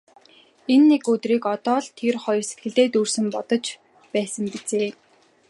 Энэ нэгэн өдрийг л одоо тэр хоёр сэтгэлдээ дүрслэн бодож байсан биз ээ.